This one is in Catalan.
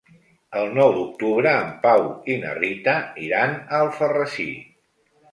El nou d'octubre en Pau i na Rita iran a Alfarrasí.